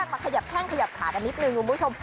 มาขยับแข้งขยับขากันนิดนึงคุณผู้ชม